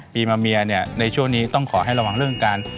มาเมียเนี่ยในช่วงนี้ต้องขอให้ระวังเรื่องการ